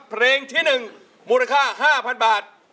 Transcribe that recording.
เพลงที่๑มูลค่า๕๐๐๐บาท